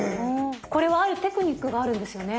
これはあるテクニックがあるんですよね？